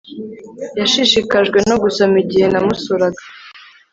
Yashishikajwe no gusoma igihe namusuraga